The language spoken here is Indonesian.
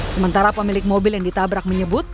sementara pemilik mobil yang ditabrak menyebut